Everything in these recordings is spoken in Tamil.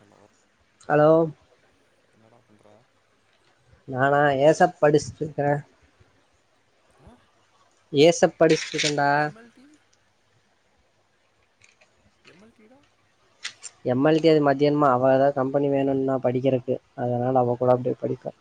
ஹலோ ஹலோ என்னடா பண்ற நானா ஏச படிச்சுட்டுருக்கிறே ஆ ஏசப் படிச்ட்டுருக்கண்டா எம்எல்டி எம் எல் டி டா எம் எல் டி அது மத்யான்மா அவ அதா கம்பெனி வேணுன்னு நா படிக்கறக்கு அதனால அவ கூட அப்டே படிப்பே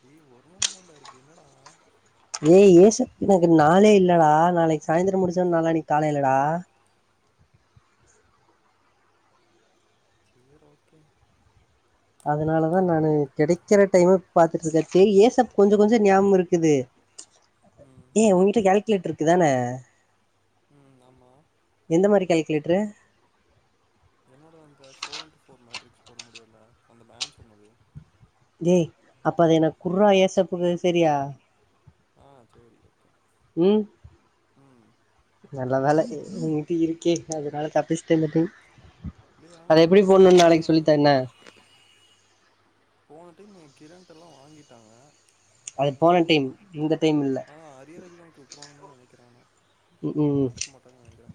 டேய் ஒரு நாள் தாண்டா இருக்கு என்னடா ஏய் ஏசக் எனக்கு நாளே இல்லடா நாளைக்கு சாய்ந்திரம் முடிச்ச நாளானைக்கு காலைலடா சேர் ஓகே அதனாலதா நானு கெடைக்கிற டைம பாத்துட்டுருக்கே டேய் ஏசப் கொஞ்ச கொஞ்ச ஞாபம் இருக்குது ம் ச்ச ஏ உங்கிட்ட கால்குலேட்டர் இருக்குதானே உம் ஆமா எந்த மாரி கால்குலேட்டரு என்னோட அந்த பௌர் அண்ட் பௌர் மேட்ரிக்ஸ் போட முடியுல அந்த மேம் சொன்னது டேய் அப்ப அத எனக்கு குட்ரா ஏசப்புக்கு சரியா ஆ சரி ஓகே உம் ம் நல்ல வேல உங்கிட்ட இருக்கே அதனால தப்புச்சுட்ட இந்த டைம் டேய் ஆனா அதை அது எப்படி வந்து போடணும்னு உள்ள நாளைக்கு சொல்லித்தரேன் என்ன போனப் மே கிரண்ட் எல்லா வாங்கிட்டாங்க ஆ அது போன டைம் இந்த டைம் இல்ல ஆஹ் அரியர் எக்ஸாம்க்கு விட்டுருவாங்குனுதா நெனக்கிறே நா ம் ம் கண்டுக்க மாட்டாங்குனு நெனக்கிறே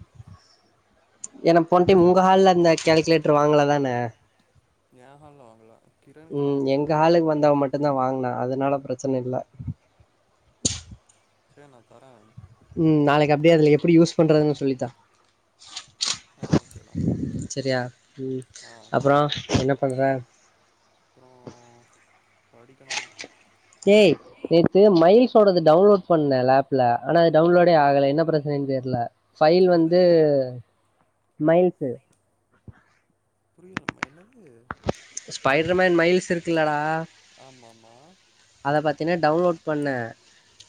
ஏன்னா போன டைம் உங்க ஹால்ல அந்த ஃகேல்குலேட்டர் வாங்கலதான ஏ ஹால்ல வாங்கல கிரண்க்கெல்லாம் உம் எங்க வாங்கிட்டாங்களாமா ஹாலுக்கு வந்தவன் மட்டும்தா வாங்குனா அதனால ப்ர ப்ரச்சனை இல்ல சேர் நா தரே உம் நாளைக்கு அப்டியே அதுல எப்புடி யூஸ் பண்றதுன்னு சொல்லித்தா [unintelligible] ஆ ஓகேடா உம் ஆ அப்பறோ என்ன பண்ற அப்றோ படிக்கணு டேய் நேத்து மைல்ஸோடது டவுன்லோட் பண்ணே லாப்ல ஆனா அது டவுன்லோடே ஆகல என்ன ப்ரச்சனைன்னு தெரியல ஃபயில் என்னது வந்து மைல்சு புரியல மா என்ன ஸ்பைடர்மேன் மைல்ஸ் இருக்குல்லடா ஆமா ஆமா அத பாத்தீன்னா டவுன்லோட் பண்ணே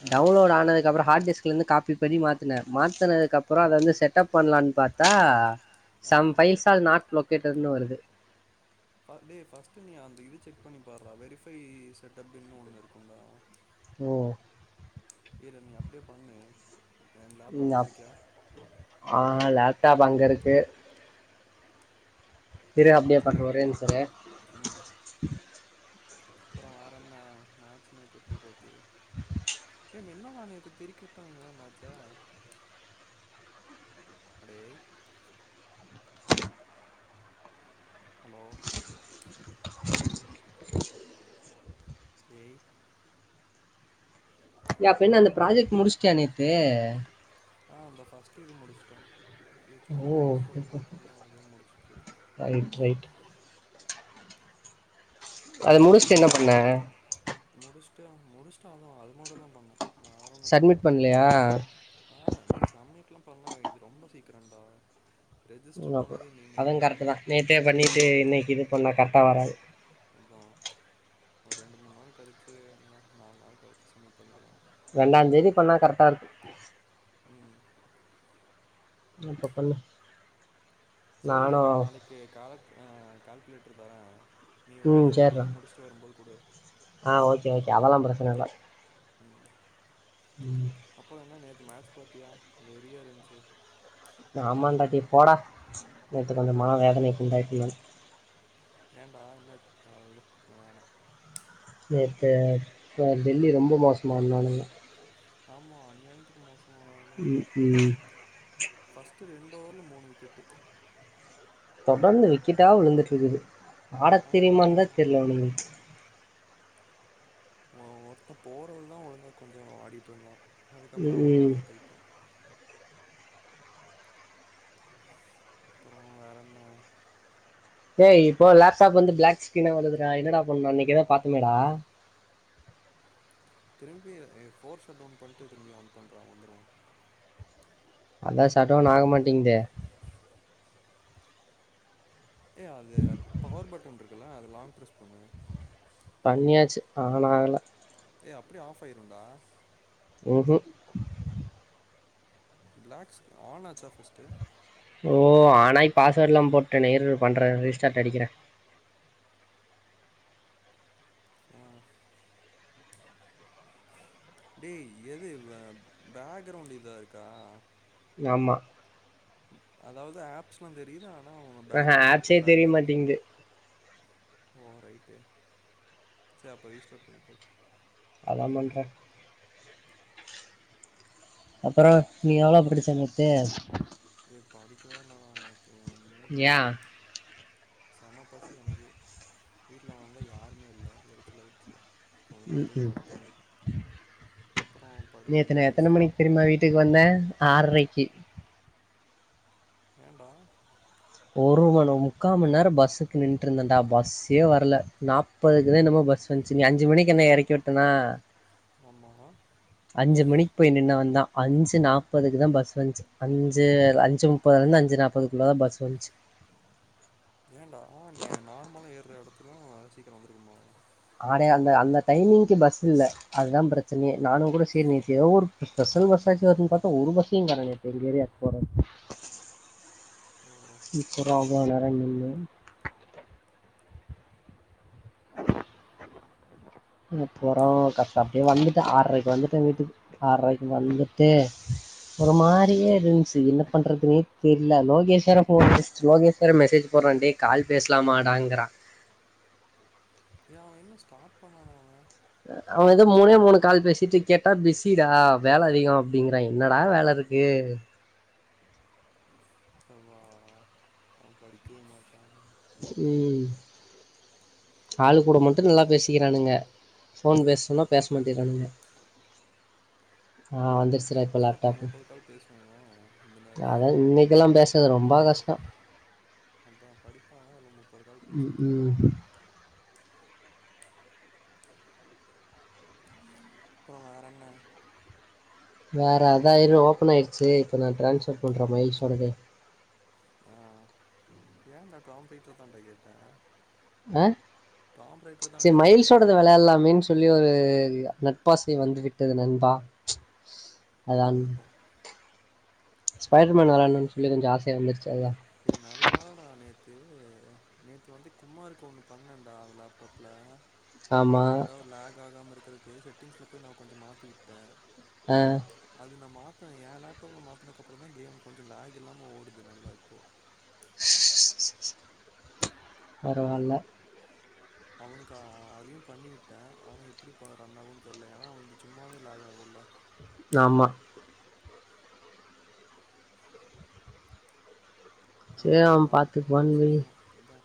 ஆ டவுன்லோட் ஆனதுக்கு அப்பறோ ஹார்ட் டிஸ்க்லேருந்து காப்பி பண்ணி மாத்துனே மாத்தினதுக்கு அப்பறோ அத வந்து செட்டப் பண்ணலான்னு பாத்தா some files are not located first நீ அந் இது செக் பண்ணி பாருடா வெரிஃபை செட்டப்ன்னு ஒண்ணு இருக்கும்டா ஓ நீ அப்டியே பண்ணு என் உ லேப்டாப் அ வச்சுருக்கியா ஆ லேப்டாப் அங்க இருக்கு இரு அப்டியே பண்றே சரி ஆ, ஒரே ஒரு நிமிஷோ இரு அப்பறோ வேறன்னா மேட்ச் நேத்து எப்டி போச்சு [inaudible] என்னடா நேத்து தெறிக்க விட்டானுங்க மேட்ச்ச அடேய் ஹலோ ஏய் ஏ அப்புன்ன அந்த ப்ராஜெக்ட் முடிச்ட்டியா நேத்து ஆ அந்த ஃபர்ஸ்ட்டு இது முடிச்சுட்டோம் இது சும்மா ஓ வி எஸ் கோடுல போட்டேன் டா அதே முடிச்சிருச்சு ரைட் ரைட் அத அப்போ முடிச்சுட்டு என்ன பண்ண ட்டு முடிச்சுட்டு அவ்ளோதா அது மட்டும் தான் பண்ணேன் நார் ஒன்னும் பண்ணல சப்மிட் பண்ணலையா ஆஹா டேய் சப்மிட்லா பண் ப்பண்ண இது ரொம்ப சீக்கிரம்டா உ ரெஜிஸ்டர் அத பண்ணது நீ நேற்று அததுவும் கரெக்ட் தான் நேத்தே பண்ணிட்டு இன்னைக்கு இது பண்ணா கரெக்டா வராது அதான் ஒரு ரெண்டு மூணு நாள் கழிச்சு நா நாலு நாள் கழிச்சு சம்மிட் பண்ணிக்கலா ரெண்டாம் தேதி பண்ணா கரெக்டா இருக்கும் உம் இப்ப பண்ணு செரி நான் நானும் நாளைக்கு காலட் அஹ கால்குலேட்டர் தரேன் நீ வந்து ம் லீவ சரிடா முடிச்சுட்டு வரும்போது கூடு ஆ ஓகே ஓகே அதெல்லா பிரச்சன இல்ல உம் அப்பறோ என்ன நே மேட்ச் பத்தியா வெறியா இருந்துச்சு ஆமாண்டா டே போட ச்சு நேத்து கொஞ்சோ மன வேதனைக்கு உண்டாயிட்டேன் நானு என்டா என்ன ஆச்சு ஆ விடு ஆ வேண்டா நேத்து இப்ப டெல்லி ரொம்ப மோசமா ஆடுனானுங்க ஆமா அநியாயித்துக்கு மோசம் உம் உம் ட்டு ரெண்டு ஓவவர்ல மூணு விக்கெட்டு தொடர்ந்து விக்கெட்டா விழுந்துட்டு இருக்குது ஆட ஆமாண்டா தெரியுமான் தான் தெரியில அவனுங்களுக்கு ஒ ஒருத்தன் போறது தான் ஒழுங்கா கொஞ்சோ ஆடிட்டு இருந்தான் ம் அதுக்கப்புறோ அவனும் ம் அவுட் ஆயிட்டான் அப்புறோ வேற என்ன ஏ இப்போ லேப்டாப் வந்து பிளாக் ஸ்கிரீனா வருதுடா என்னடா பண்ணோ அன்னைக்கு ஏதோ பாத்தமேடா திரும்பி ஏ ஃபோர் ஷட் அவுன் பண்ணிட்டு திரும்பி ஆன் பண்ற வந்துரும் அதான் ஷட் அவுன் ஆகமாட்டேங்கதே ஏ அது பவர் பட்டன் இருக் க்குல்ல அது லாங் பிரஸ் பண்ணு பண்ணியாச்சு ஆன ஆகல ஏய் அப்படி ஆஃப் ஆயிரும்டா ஊ ஹம் பிளாக் ஆன் ஆச்சா ஃபர்ஸ்ட்டு ஓ ஆனாய் பாஸ்வேர்ட் எல்லா போட்டனே இருயிரு பண்றேன் ரீஸ்டார்ட் அடிக்கிறே ஆஹ் டே எது பேக் ரவுண்ட் இதா இருக்கா ஆமா அதாவது ஆப்ஸ்லா தெரியுது ஆன ஆனால் ஆஹ பேக் ரவுண்ட் மட்டும் ஆப்ஸே தெரிய பிளாக்ல இருக்கு மாட்டேங்குது ஓ ரைட்டு சே அப்ப ரிஸ்டார்ட் பண்ணிப்பாரு அத பண்ற அப்புறம் நீ எவ்ளோ படிச்ச நேத்து இது படிக்கவே இல்லடா எனக்கு மூடே இல்லடா ஏன் செம பசி எனக்கு வீட்ல வந்த யாருமே இல்லை எரிச்சலாயிருச்சு கொஞ்ச நேரோ உம் அப்டியே உம் படுத்து தூங்கிட்டே அப்றோ நீ படுத்து எத்தனை தூங்கிட்டு எத்தனை மணிக்கு சாப்ட்டு தெரியுமா வீட்டுக்கு வந்தேன் ஆறரைக்கு ஏன்டா ஒரு மணி முக்கால் மணி நேரம் பஸ்ஸுக்கு நின்று இருந்தேன்டா பஸ்ஸே வரல நாற்பதுக்குத நம்ம பஸ் வந்துச்சு நீ அஞ்சு மணிக்கு என்ன இறக்கி விட்டனா ஆமா அஞ்சு மணிக்கு போய் நின்னவந்தா அஞ்சு நாற்பதுக்கு தான் பஸ் வந்துச்சு அஞ்சு அஞ்சு முப்பதுலந்து அஞ்சு நாப்பதுக்குள்ள தா பஸ் வந்துச்சு ஏண்டா நீ நார்மலா ஏறுற இடத்து அ சீக்கிரம் வந்திருக்குமா ஆடே அந்த அந்த டைமிங்க்கு பஸ் இல்ல அதுதான் பிரச்சனையே நானும் கூட சேரி நேத்து ஏதோ ஒரு ஸ்பெஷல் பஸ் ஆச்சு வருன்னு பாத்தா ஒரு பஸ்ஸையும் காணோ நேத்து ஏங்க ஏரியா போறதுக்கு ஓ நிக்கற அவ்ளோ நேரம் நின்னு போறோம் கட்ட அப்படியே வந்துட்டே ஆறரைக்கு வந்துட்டேன் வீட்டுக்கு ஆறரைக்கு வந்துட்டு ஒரு ம் மாதிரியே இருந்துச்சு என்ன பண்றதுன்னே தெரியல லோகேஷ் வேர போன் லோகேஷ் வேர மெசேஜ் போடுறான் டேய் கால் பேசலமாடாங்கறான் ஏய அவன் என்ன ஸ்டார்ட் பண்ணானும் அவன் அவன் ஏதோ மூணே மூணு கால் பேசிட்டு கேட்டா பிசிடா வேலை அதிகம் அப்படிங்கறான் என்னடா வேலை இருக்கு அதுவா அவ படிக்கவும் மாட்டான் உம் ஆளு கூட மட்டு நல்லா பேசிக்கிறானுங்க ஃபோன் பேச சொன்னா பேச மாட்டேறானுங்க ஆஹ் வந்துருச்சுற இப்போ எப்புட்றா அப்புறம் லேப்டாப் முப்பது கால் பேசுவான் இவன் இந்த நேரத்துல அதான் இன்னைக்கெல்லா பேசுறது ரொம்ப கஷ்டம் [unintelligible] ஒருகால் ம், பேசிட்டு இருப்பா ம் அப்பறம் வேற என்ன வேற அதாயிரம் ரூா ஓப்பன் ஆயடுச்சு இப்ப நா டிரான்ஸ்பர் பண்றேன் மைல் சொன்னது ஆ ஏன்டா டாம் பீட்டர் தான்டா கேட்டா அ சரி ஏத்துறேன்னு மயில்சோடத சொன்னேன் விளையால்லாமென்னு சொல்லி ஒரு நட்பாசை வந்து விட்டது நண்பா அதான் ஓஹோ ஸ்பைடர் மேன் விளையாடனும் சொல்லி கொஞ்சம் ஆசையா இருந்துச்சு அதா ஏ நல்ல வேலைடா நேத்து நேத்து வந்து குமார் இருக்கு ஒண்ணு பண்ணன்டா லேப்டாப்ல ஆமா அதா லேக் ஆகாம இருக்கிறதுக்கு செட்டிங்ஸ்ல போய் நா கொஞ்சம் மாத்தி விட்டே அது நா மா த்த என் லேப்டாப்பில் மாத்துனதுக்கப்புறம் தா கேம் கொஞ்சம் லக் இல்லாம ஓடுது நல்ல இப்போ பரவால்ல அவனுக்கா அதையு பண்ணி விட்டே ஆனா எப்படிப்ப ரன் ஆகுன் தெரல ஏன்னா வந்து சும்மாவே லாக் ஆகு இல்ல ஆமா செரி அவ உன்ட்டதா உன்ன பாத்துக்குவான்னு வை சொல்னு அதா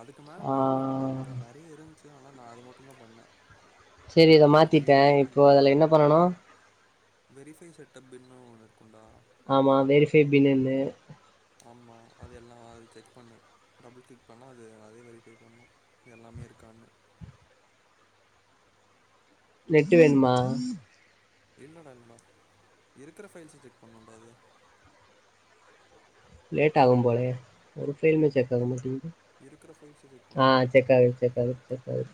அதுக்கு மேல ஆ பண்ணலா ஆனா நெறைய இருந்துச்சு ஆனா நா அது மட்டுந்தா பண்ணே சேரி இத மாத்திட்டே இப்போ அதுல என்ன பண்ணனு வெரிஃபை செட்டப் பின்னு ஒன்னு இருக்குண்டா ஆமா வெரிஃபை பின்னுனு ஆமா அது எல்லா அது செக் பண்ணு டபுள் க்ளிக் பண்ணா அது அதே வெரிஃபை பண்ணு எல்லாமே இருக்கான்னு நெட்டு வேணுமா இல்லடா இல்லடா இருக்கிற ஃபைல்ஸ செக் பண்ணுன்டா அது லேட் ஆகும் போலயே ஒரு ஃபைலுமே செக் ஆக மாட்டிங் து இருக்கிற ஃபைல்ஸை செக் ஆ பண்ணும் அவ்வளோதான் செக்காகுது செக்காகுது செக்காகுது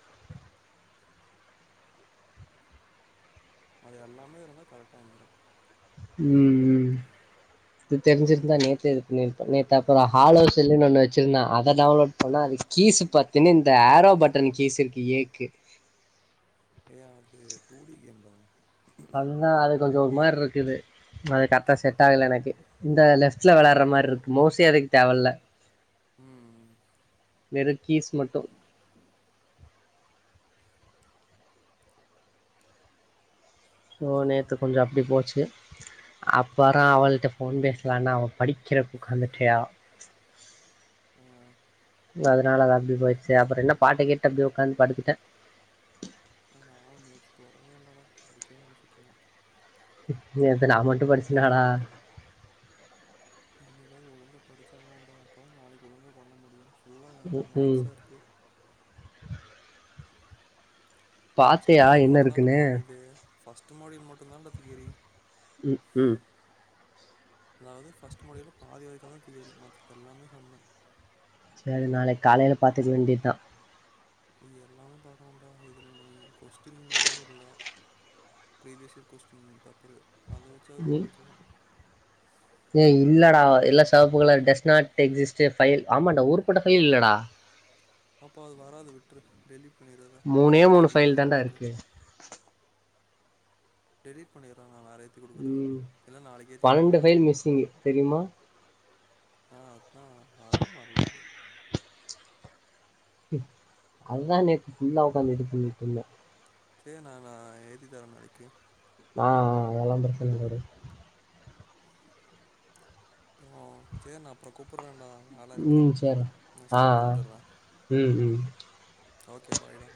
அது எல்லாமே இருந்தா கரெக்டா வந்துரு ம் ம் இது தெரிஞ்சிருந்தா நேத்தே இது பண்ணிரு ப்ப நேத்து அப்பற ஹாலோ செல்லுனு ஒன்னு வெச்சிருந்தா அத டவுன்லோட் பண்ணா அது கீஸ் பாத்தினா இந்த ஆரோ பட்டன் கீஸ் இருக்கு ஏக்கு ஏ அது டூ டி கேம்டா அனா அது கொஞ்சம் ஒரு மாதிரி இருக்குது அது கரெக்டா செட் ஆகல எனக்கு இந்த லெப்ட்ல விளையாடுற மாதிரி இருக்கு மோஸ்ட்லி அதுக்கு தேவல்லா உம் நெருக்கீஸ் மட்டும் ஓ நேத்து கொஞ்சம் அப்படி போச்சு அப்பறன் அவள்ட ஃபோன் பேசலானா அவள் படிக்கிற உட்காந்துட்டா ம் ஹ் அதனால அத அப்படி போயிடுச்சு அப்புறம் என்ன பாட்டை கேட்டு அப்படியே உட்காந்து படுத்துட்டேன் ஆன ஆம் நேத்து தொடவே இல்லடா படிக்கவேஇல்ல சுத்தமா நேத்து நா மட்டு படிச்சனடா இன்னைக்காவது ஒழுங்கா படிச்சாகனும்டா அப்போ தான் நாளைக்கு ஒழுங்காக பண்ண முடியு உம் உம் ஃபர்ஸ்ட் மாடல் என்ன மட்டு தான் இருக்குன்னு நம்ம இது ஃபர்ஸ்ட் [unintelligible] இதான்டா தியரி ம் ம் அதாவது ஃபர்ஸ்ட் மொடில பாதி வரைக்கு தான் தியறி மத்தது எல்லாமே சம்மு சரி நாளைக்கு காலையில பாத்துக்க வேண்டியது தான் இ எல்லாமே பாக்கணும்டா இது கொஸ்டின் இதுவும் இல்ல பீரிவியஸ் இயர் கொஸ்டின் பேப்பரு அத வச்சாவது ம் பண்ணிக்கலா ஏய் இல்லடா எல்லா செவப்பு colour does not exist file ஆமாடா ஊருப்பட்ட ஃபைல் இல்லடா அப்போ அது வராது விட்ரு டெலிட் பண்ணிடுறத நான் மூணே வேறு மூணு ஏற்றி ஃபைல் கொடுக்குறேன் தான்டா உனக்கு இருக்கு டெலிட் பண்ணிறா ம் பன்னெண்டு கொடுக்குறேன் ஃபைல் மிஸ்ஸிங்கு தெரியுமா ஆ அதா அதுதா வரல அது அதுதா நேத்து ஃபுல்லா உக்காந்து இது பண்ணிட்டுருந்த சேரி நா நா ஏத்திதரே நாளைக்கு ஆ ஆ அதல்லா பிரச்சனயில்லவுடு அப்றோ சேரி நா அப்றோ கூப்புட்றன்டா ம் செர்றா ஆ ஆ வந்துடுறேன் ம் ம் ஓகே பாய்டா